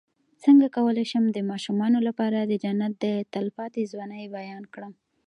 څنګه کولی شم د ماشومانو لپاره د جنت د تل پاتې ځوانۍ بیان کړم